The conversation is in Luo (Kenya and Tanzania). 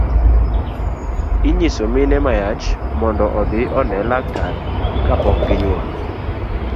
Inyiso mine ma yach mondo odhi one laktar kapok ginyuol